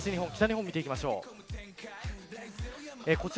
東日本、北日本を見ていきましょう。